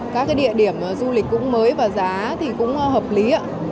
các địa điểm du lịch cũng mới và giá thì cũng hợp lý